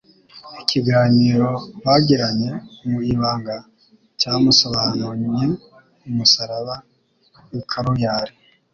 Ikiganiro bagiranye mu ibanga, cyamusobanunye umusaraba w'i Kaluyari,